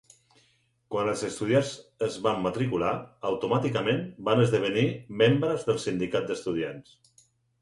Quan els estudiants es van matricular, automàticament van esdevenir membres del Sindicat d'estudiants.